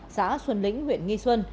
xã xuân lĩnh huyện nghi xuân